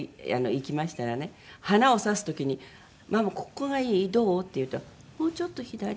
花を挿す時に「ママここがいい？どう？」って言うと「もうちょっと左」。